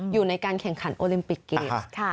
อยู่ในการแข่งขันโอลิมปิกเกมส์